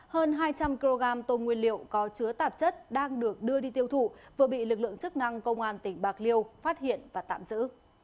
hơn hai trăm linh kg tôm nguyên liệu có chứa tạp chất đang được đưa đi tiêu thụ vừa bị lực lượng chức năng công an tỉnh bạc liêu phát hiện và tạm giữ